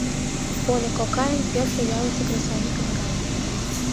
Поля кокайын пӧртшӧ ялысе кресаньыкын гай.